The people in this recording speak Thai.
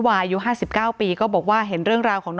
ว่าไม่มีคนใส่อยู่นั่นกิน